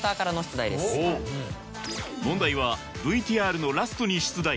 問題はＶＴＲのラストに出題